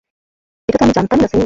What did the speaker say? এটাতো আমি জানতাম-ই না মিমি!